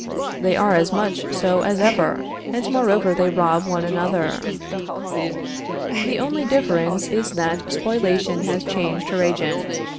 They are as much so as ever, and moreover they rob one another. The only difference is that Spoliation has changed her agent.